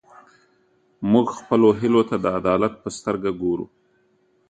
موږ خپلو هیلو ته د عدالت په سترګه ګورو.